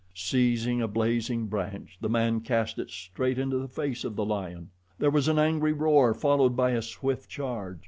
Seizing a blazing branch the man cast it straight into the face of the lion. There was an angry roar, followed by a swift charge.